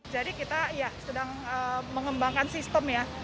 jadi kita ya sedang mengembangkan sistem ya